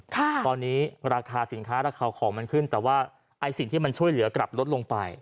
ตอนนี้ราคาสินค้าราคาของมันขึ้นแต่ว่าไอ้สิ่งที่มันช่วยเหลือกลับลดลงไป